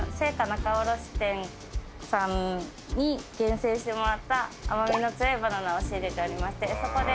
仲卸店さんに厳選してもらった甘味の強いバナナを仕入れておりましてそこで。